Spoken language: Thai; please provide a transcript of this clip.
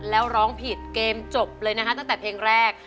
แล้วร้องผิดเกมจบเลยนะคะตั้งแต่เพลงแรก